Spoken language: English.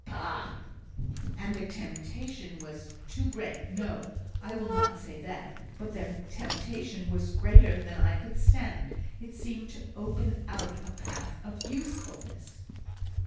"Pah!" "And the temptation was too great No! I will not say that but the temptation was greater than I could stand it seemed to open out a path of usefulness."